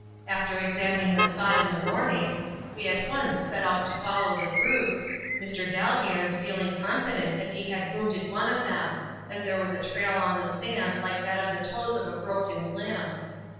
After examining the spot in the morning, we at once set out to follow the brutes, Mr. Dalgairns feeling confident that he had wounded one of them, as there was a trail on the sand like that of the toes of a broken limb.